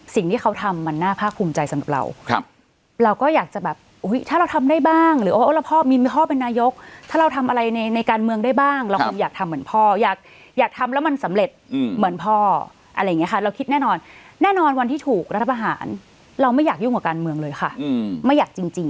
สิ่งที่เขาทำมันน่าภาคภูมิใจสำหรับเรา